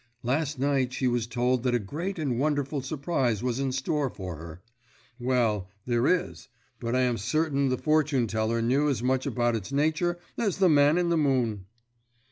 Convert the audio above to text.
Last night she was told that a great and wonderful surprise was in store for her. Well, there is, but I am certain the fortune teller knew as much about its nature as the man in the moon."